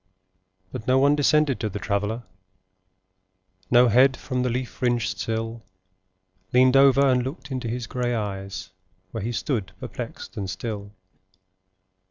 But no one descended to the Traveller; No head from the leaf fringed sill Leaned over and looked into his grey eyes, Where he stood perplexed and still.